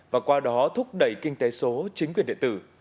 và qua đó thúc đẩy kinh tế số chính quyền điện tử